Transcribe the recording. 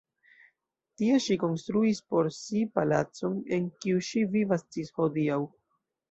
Tie ŝi konstruis por si palacon, en kiu ŝi vivas ĝis hodiaŭ.